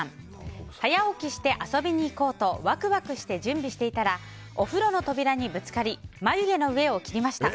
早起きして遊びに行こうとワクワクして準備していたら準備していたらお風呂の扉にぶつかり眉毛の上を切りました。